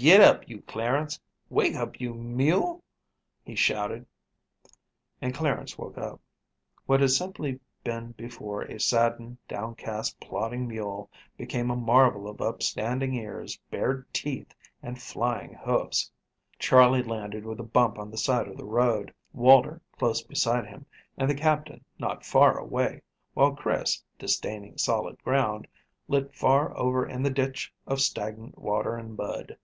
"Get up, you Clarence; wake up, you mule," he shouted and Clarence woke up. What had simply been before a saddened, downcast, plodding mule, became a marvel of upstanding ears, bared teeth and flying hoofs. Charley landed with a bump on the side of the road. Walter, close beside him, and the Captain not far away, while Chris, disdaining solid ground, lit far over in the ditch of stagnant water and mud.